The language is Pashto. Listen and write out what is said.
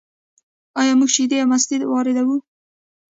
آیا موږ شیدې او مستې واردوو؟